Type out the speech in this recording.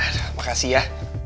aduh makasih ya